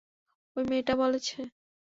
ঐ মেয়েটা বলেছে।